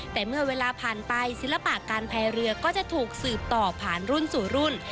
แต่เมื่อเวลาผ่านไปศิลปะการพายเรือก็จะถูกสืบต่อผ่านรุ่นสู่รุ่น